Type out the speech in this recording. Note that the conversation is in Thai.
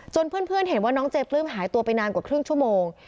เพื่อนเห็นว่าน้องเจปลื้มหายตัวไปนานกว่าครึ่งชั่วโมง